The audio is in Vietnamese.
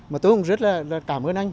mà tôi cũng rất là cảm ơn anh